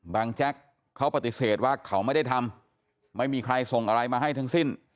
แจ็คเขาปฏิเสธว่าเขาไม่ได้ทำไม่มีใครส่งอะไรมาให้ทั้งสิ้น